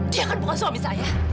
dia kan bukan suami saya